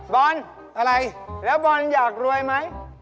บอลอะไรแล้วบอลอยากรวยไหม